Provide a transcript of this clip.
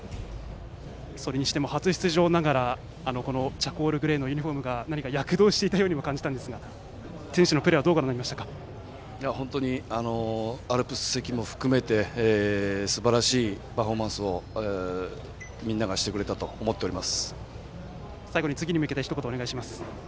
それにしても初出場ながらチャコールグレーのユニフォームが何か躍動していたようにも感じましたが選手のプレーは本当にアルプス席も含めてすばらしいパフォーマンスをみんながしてくれたと最後に次に向けて、ひと言お願いします。